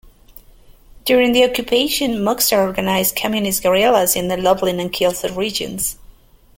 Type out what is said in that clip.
During the occupation, Moczar organized communist guerillas in the Lublin and Kielce regions.